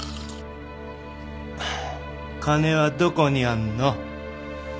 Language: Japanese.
金はどこにあんの？